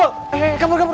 eh kabur kabur